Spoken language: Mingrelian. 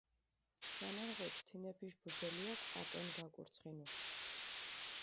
სანარღოთ, თინეფიშ ბუძოლიაქ პატონი გაკურცხინუ.